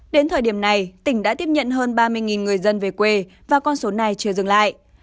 đến thời điểm này tỉnh đã tiếp nhận hơn ba mươi người dân về quê và con số này chưa dừng lại